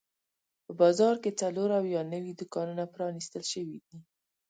په بازار کې څلور اویا نوي دوکانونه پرانیستل شوي دي.